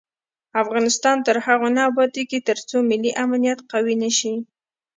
افغانستان تر هغو نه ابادیږي، ترڅو ملي امنیت قوي نشي.